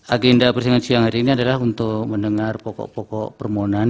agenda persidangan siang hari ini adalah untuk mendengar pokok pokok permohonan